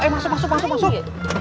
masuk masuk masuk